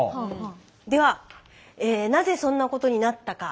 ではなぜそんなことになったか。